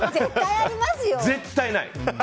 絶対ない！